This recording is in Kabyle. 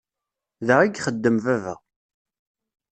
Da i ixeddem baba.